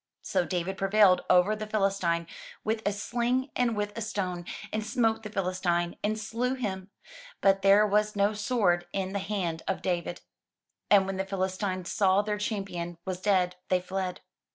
So David prevailed over the Philistine with a sling and with a stone, and smote the Philistine, and slew him; but there was no sword in the hand of David. And when the Philistines saw their champion was dead, they fled.